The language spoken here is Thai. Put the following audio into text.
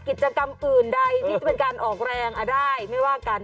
กิจกรรมอื่นใดที่จะเป็นการออกแรงได้ไม่ว่ากัน